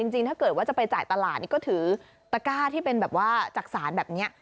จริงถ้าเกิดจะไปจ่ายตลาดก็ถือตั๊กร้าที่เป็นจักษาแบบนี้